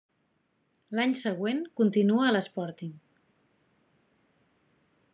L'any següent continua a l'Sporting.